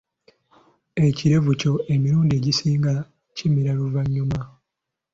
Ekirevu kyo emirundi egisinga kimera luvannyuma.